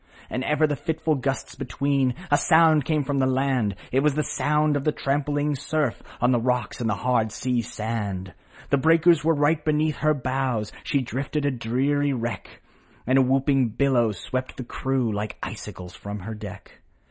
And ever the fitful gusts between A sound came from the land ; It was the sound of the trampling surf, On the rocks and the hard sea sand. The breakers were right beneath her bows, She drifted a dreary wreck, And a whooping billow swept the crew Like icicles from her deck.